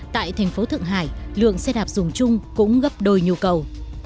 tại thành phố thượng hải lượng xe đạp dùng chung cũng gấp đôi nhu cầu